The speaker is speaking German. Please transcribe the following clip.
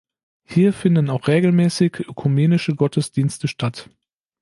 Hier finden auch regelmäßig Ökumenische Gottesdienste statt.